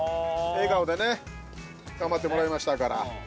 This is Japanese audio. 笑顔でね頑張ってもらいましたから。